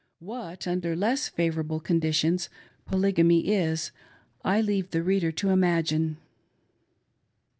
What, under less favorable conditions, Polygamy is, I leave the reader to imagine.